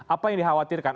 apa yang dikhawatirkan